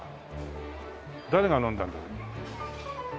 誰が飲んだんだろう。